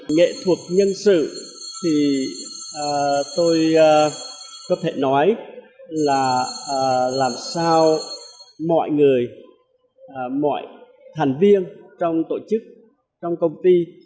nghệ thuật nhân sự thì tôi có thể nói là làm sao mọi người mọi thành viên trong tổ chức trong công ty